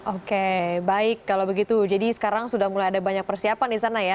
oke baik kalau begitu jadi sekarang sudah mulai ada banyak persiapan di sana ya